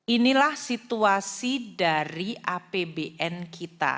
inilah situasi dari apbn kita